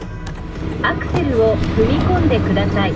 アクセルを踏み込んでください。